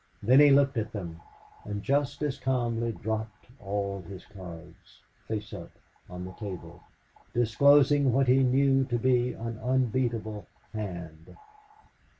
Then he looked at them, and just as calmly dropped all his cards, face up, on the table, disclosing what he knew to be an unbeatable hand.